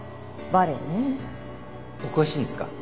お詳しいんですか？